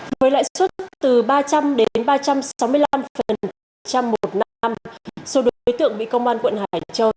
với lãi suất từ ba trăm linh đến ba trăm sáu mươi năm một năm số đối tượng bị công an quận hải châu